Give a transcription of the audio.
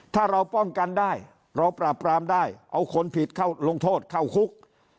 ถ้าเราป้องกันได้เราปราบปรามได้เอาคนผิดเข้าลงโทษเข้าคุก